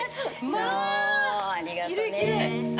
まぁきれいきれい。